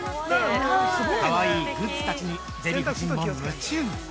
◆かわいいグッズたちにデヴィ夫人も夢中！